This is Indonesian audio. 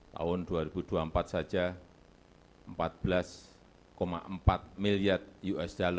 tahun dua ribu dua puluh empat saja rp empat belas empat miliar usd